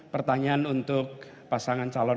pertanyaan untuk pasangan calon